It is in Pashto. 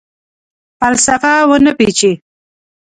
فلسفه ونه پیچي